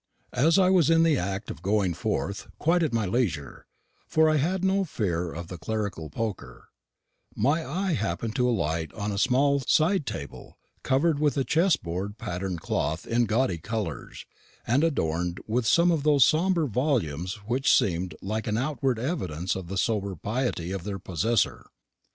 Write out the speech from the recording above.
As I was in the act of going forth quite at my leisure, for I had no fear of the clerical poker my eye happened to alight on a small side table, covered with a chessboard patterned cloth in gaudy colours, and adorned with some of those sombre volumes which seem like an outward evidence of the sober piety of their possessor.